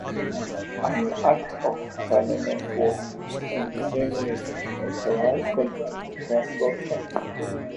An Act of Parliament was passed in the same year to authorise construction.